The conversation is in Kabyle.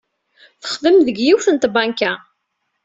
Txeddem deg yiwet n tbanka.